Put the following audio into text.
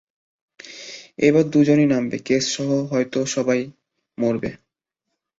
এবার দুইজন-ই নামবে, কেস সহ, নয়তো সবাই মরবে।